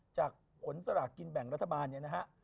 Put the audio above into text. จากผลสลากกินแบ่งรัฐบาลเนี่ยนะฮะ